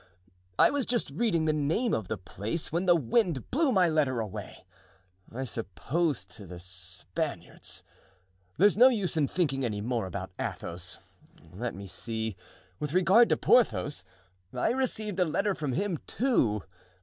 I was just reading the name of the place when the wind blew my letter away, I suppose to the Spaniards; there's no use in thinking any more about Athos. Let me see: with regard to Porthos, I received a letter from him, too.